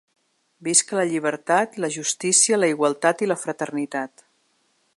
Visca la llibertat, la justícia, la igualtat i la fraternitat.